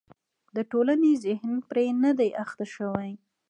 د ټولنې ذهن پرې نه دی اخته شوی.